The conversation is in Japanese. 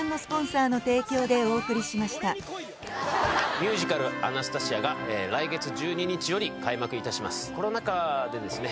ミュージカル「アナスタシア」が来月１２日より開幕いたしますコロナ禍でですね